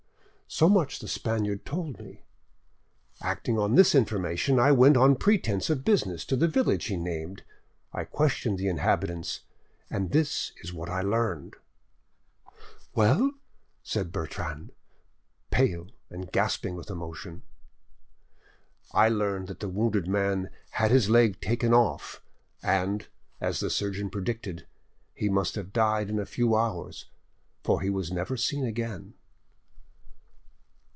So much the Spaniard told me. Acting on this information, I went on pretence of business to the village he named, I questioned the inhabitants, and this is what I learned." "Well?" said Bertrande, pale, and gasping with emotion. "I learned that the wounded man had his leg taken off, and, as the surgeon predicted, he must have died in a few hours, for he was never seen again."